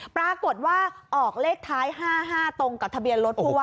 ปรากฏว่าออกเลขท้าย๕๕ตรงกับทะเบียนรถผู้ว่า